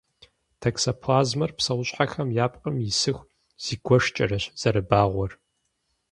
Токсоплазмэр псэущхьэхэм я пкъым исыху зигуэшкӏэрэщ зэрыбагъуэр.